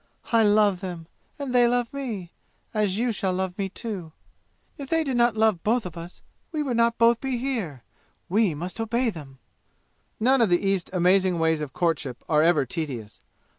I love them, and they love me as you shall love me, too! If they did not love both of us, we would not both be here! We must obey them!" None of the East's amazing ways of courtship are ever tedious.